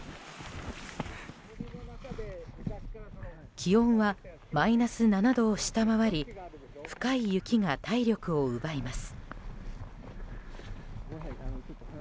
気温はマイナス７度を下回り深い雪が体力を奪います。